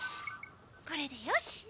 これでよし！